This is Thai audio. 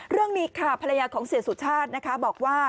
เรื่องนี้ค่ะภรรยาของเศรษฐศาสตร์บอกว่า